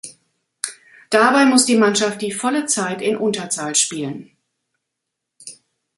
Dabei muss die Mannschaft die volle Zeit in Unterzahl spielen.